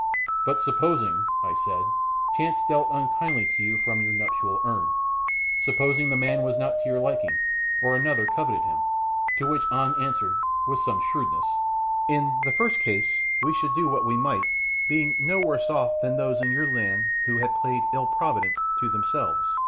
"But supposing," I said, "chance dealt unkindly to you from your nuptial urn, supposing the man was not to your liking, or another coveted him?" To which An answered, with some shrewdness "In the first case we should do what we might, being no worse off than those in your land who had played ill providence to themselves.